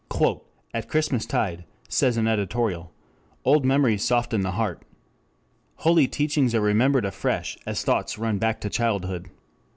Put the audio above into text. "At Christmas tide" says an editorial, "old memories soften the heart. Holy teachings are remembered afresh as thoughts run back to childhood.